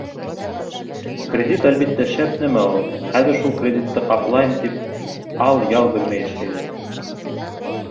— Кредит, әлбиттә, шәп нәмә ул. Хәҙер шул кредитты ҡаплайым тип, ал-ял белмәй эшләйҙәр.